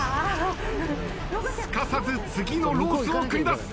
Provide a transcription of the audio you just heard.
すかさず次のロースを繰り出す。